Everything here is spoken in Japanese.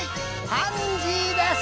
パンジーです。